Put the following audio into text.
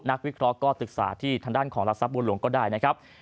วิเคราะห์ก็ศึกษาที่ทางด้านของรักทรัพย์หลวงก็ได้นะครับ